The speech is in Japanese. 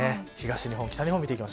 東日本、北日本です。